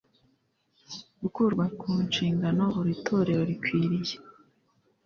gukurwa ku nshingano. Buri torero rikwiriye